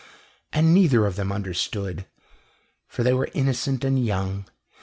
And neither of them understood, for they were innocent and young.